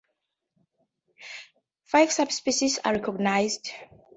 Five subspecies are recognized.